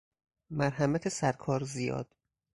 مرحمت سرکار زیاد